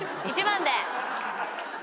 １番で。